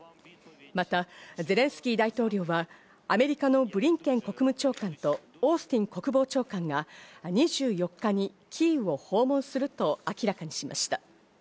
またゼレンスキー大統領は、アメリカのブリンケン国務長官とオースティン国防長官が２４日にキーウを訪問すると明らかにしました。